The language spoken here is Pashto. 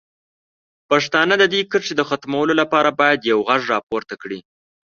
پښتانه د دې کرښې د ختمولو لپاره باید یو غږ راپورته کړي.